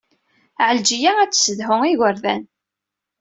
Ɛelǧiya ad tessedhu igerdan.